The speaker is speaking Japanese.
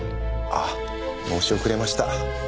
ああ申し遅れました。